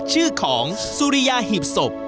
ชื่อของสุริยาหีบศพ